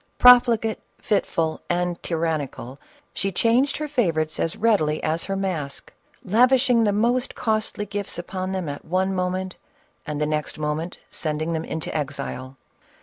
Profligate, fitful and tyrannical, she changed her favorites as readily as her mask, lavishing the most costly gifts upon them at one moment, and the next moment sending them into exile.